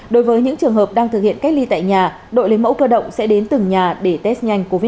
đối với những trường hợp đang thực hiện cách ly tại nhà đội lấy mẫu cơ động sẽ đến từng nhà để test nhanh covid một mươi chín